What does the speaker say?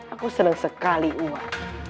aku serang sekali uar